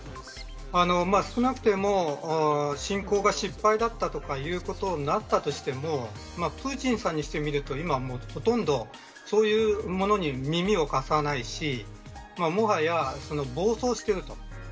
少なくても、侵攻が失敗だったとかいうことになったとしてもプーチンさんにしてみると今は、もうほとんどそういうものに耳をかさないしもはや暴走していると。